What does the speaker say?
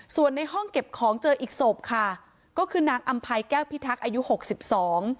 ส่วนในห้องเก็บของเจออีกศพค่ะก็คือนางอำภัยแก้วพิทักษ์อายุหกสิบสอง